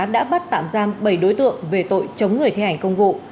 đã bắt tạm giam bảy đối tượng về tội chống người thi hành công vụ